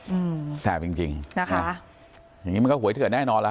อืมแสบจริงจริงนะคะอย่างงี้มันก็หวยเถื่อนแน่นอนล่ะ